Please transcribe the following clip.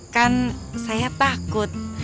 kan saya takut